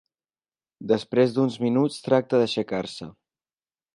Després d'uns minuts tracta d'aixecar-se.